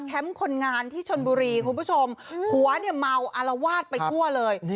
คนงานที่ชนบุรีคุณผู้ชมผัวเนี่ยเมาอารวาสไปทั่วเลย